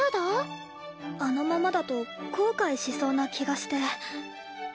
あのままだと後悔しそうな気がして。